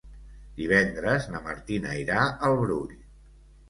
Divendres na Martina irà al Brull.